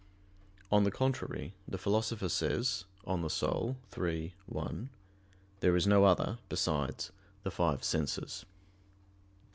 On the contrary, The Philosopher says (De Anima iii, 1): "There is no other besides the five senses."